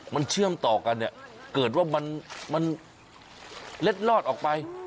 มันเชื่อมต่อกันเนี่ยเกิดว่ามันเล็ดลอดออกไป